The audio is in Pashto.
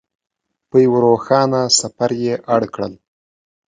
په یوه روښانه سفر یې اړ کړل.